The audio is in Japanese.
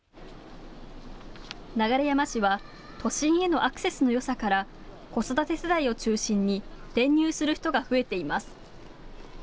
流山市は都心へのアクセスのよさから子育て世代を中心に転入する人が増えています。